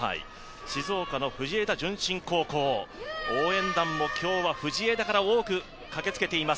静岡の藤枝順心高校応援団も今日は藤枝から多く駆けつけています。